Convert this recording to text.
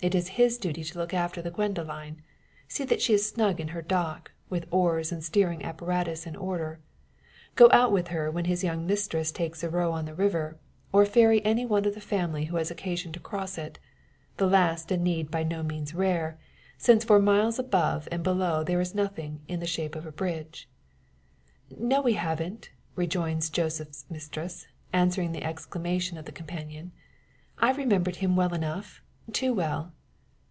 It is his duty to look after the Gwendoline, see that she is snug in her dock, with oars and steering apparatus in order; go out with her when his young mistress takes a row on the river, or ferry any one of the family who has occasion to cross it the last a need by no means rare, since for miles above and below there is nothing in the shape of bridge. "No, we haven't," rejoins Joseph's mistress, answering the exclamation of the companion. "I remembered him well enough too well."